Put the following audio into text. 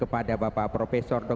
kepada bapak profesor dr